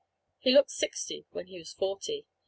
He looked sixty when he was forty.